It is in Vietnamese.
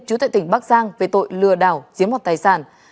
chú tệ tỉnh bắc giang về tội lừa đảo giếm hoạt tài sản